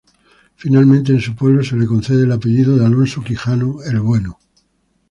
Finalmente, en su pueblo se le concede el apellido de Alonso Quijano, "el Bueno".